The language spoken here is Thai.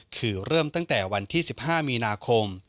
คือเริ่มตั้งแต่วันที่๑๕มีนาคม